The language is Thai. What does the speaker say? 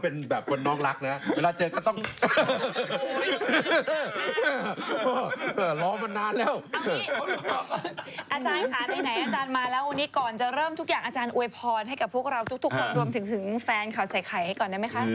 เราทุกคนรวมถึงแฟนข่าวใส่ไข่ก่อนได้ไหมคะ